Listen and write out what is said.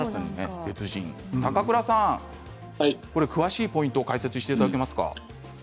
高倉さん、詳しいポイント解説していただけますか。